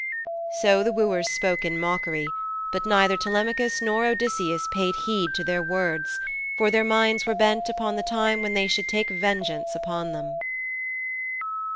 So the wooers spake in mockery, but neither Telemachus nor Odysseus paid heed to their words, for their minds were bent upon the time when they should take vengeance upon them.